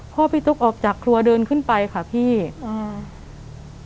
พ่อพี่ตุ๊กออกจากครัวเดินขึ้นไปค่ะพี่อืม